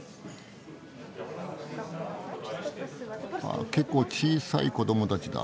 ああ結構小さい子どもたちだ。